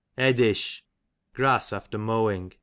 Eddish, grass after mowing.